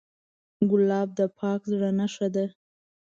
ګلاب د پاک زړه نښه ده.